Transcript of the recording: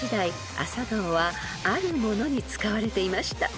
アサガオはあるものに使われていました］